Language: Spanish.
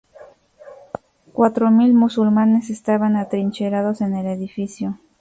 Cuatro mil musulmanes estaban atrincherados en el edificio.